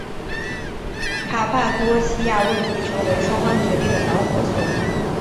卡帕多细亚问题成为双方决裂的导火索。